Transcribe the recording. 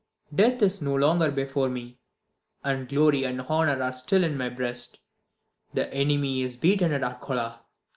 Death is no longer before me, and glory and honour are still in my breast. The enemy is beaten at Arcola.